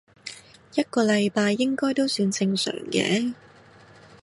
一個禮拜應該都算正常嘅